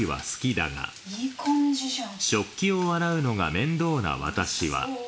いい感じじゃん。